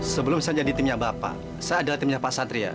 sebelum saya jadi timnya bapak saya adalah timnya pak satria